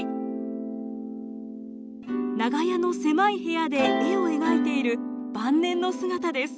長屋の狭い部屋で絵を描いている晩年の姿です。